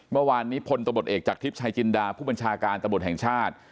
เมื่อวานนี้พลตเอกจากทริปชายจินดาผู้บัญชาการตแห่งชาติ